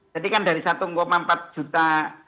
jadi kan dari satu empat juta